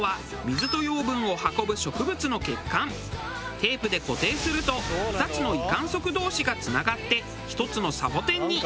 テープで固定すると２つの維管束同士がつながって１つのサボテンに。